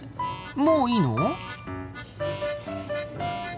もういいの？